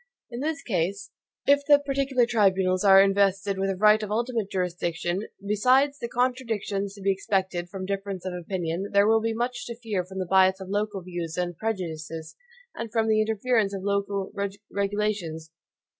In this case, if the particular tribunals are invested with a right of ultimate jurisdiction, besides the contradictions to be expected from difference of opinion, there will be much to fear from the bias of local views and prejudices, and from the interference of local regulations.